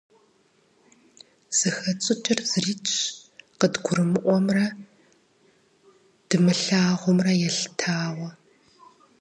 Зыхэтщӏыкӏыр зырикӏщ, къыдгурымыӏуэмрэ дымылъагъумрэ елъытауэ.